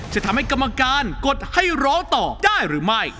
จะทำให้กรรมการกดให้ร้องต่อได้หรือไม่